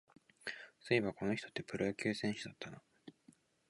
そういえば、この人ってプロ野球選手だったな